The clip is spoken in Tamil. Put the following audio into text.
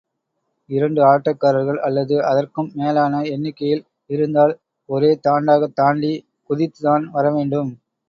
இரண்டு ஆட்டக்காரர்கள் அல்லது அதற்கும் மேலான எண்ணிக்கையில் இருந்தால், ஒரே தாண்டாகத் தாண்டிக் குதித்துத்தான் வர வேண்டும்.